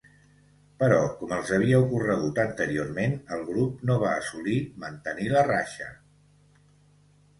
Però, com els havia ocorregut anteriorment, el grup no va assolir mantenir la ratxa.